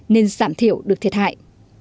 nên giảm thiểu được thiệt hại